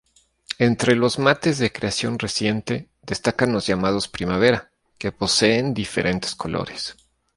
Entre los mates de creación reciente, destacan los llamados primavera, que poseen diferentes colores.